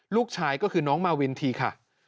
ลูกชายก็คือน้องมาวินทีค่ะ